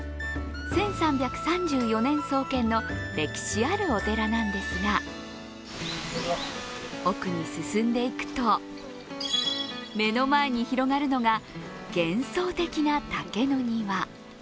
１３３４年創建の歴史あるお寺なんですが奥に進んでいくと、目の前に広がるのが、幻想的な竹の庭。